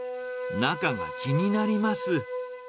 中が気になります。